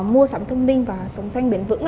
mua sắm thông minh và sống xanh biến vững